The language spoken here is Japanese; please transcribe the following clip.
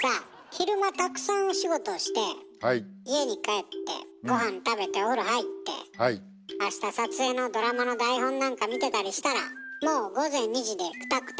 昼間たくさんお仕事をして家に帰って御飯食べてお風呂入って明日撮影のドラマの台本なんか見てたりしたらもう午前２時でクタクタ。